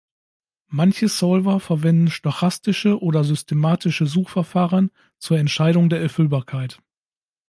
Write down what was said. Manche Solver verwenden stochastische oder systematische Suchverfahren zur Entscheidung der Erfüllbarkeit.